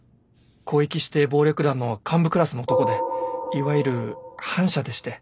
広域指定暴力団の幹部クラスの男でいわゆる反社でして。